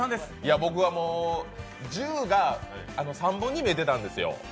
１０が３本に見えてたんですよ